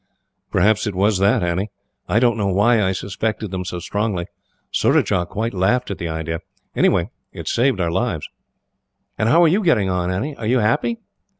"Perhaps it was that, Annie. I don't know why I suspected them so strongly Surajah quite laughed at the idea. Anyhow, it saved our lives. "And how are you getting on, Annie? Are you happy?"